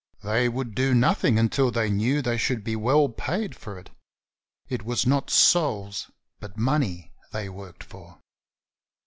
They would do nothing until they knew they should be well paid for it. It was not souls, but money, they worked for.